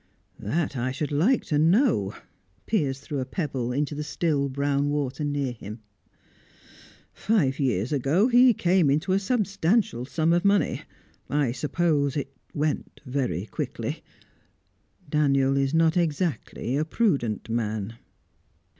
"That I should like to know." Piers threw a pebble into the still, brown water near him. "Five years ago, he came into a substantial sum of money. I suppose it went very quickly. Daniel is not exactly a prudent man."